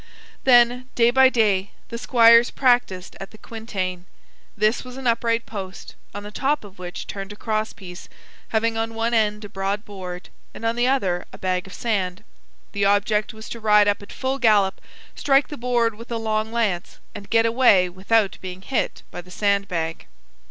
Then, day by day, the squires practiced at the quintain. This was an upright post, on the top of which turned a crosspiece, having on one end a broad board, and on the other a bag of sand. The object was to ride up at full gallop, strike the board with a long lance, and get away without being hit by the sand bag.